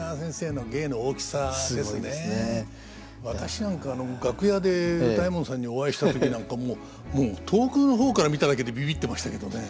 私なんか楽屋で歌右衛門さんにお会いした時なんかもう遠くの方から見ただけでビビッてましたけどね。